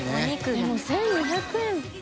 でも１２００円。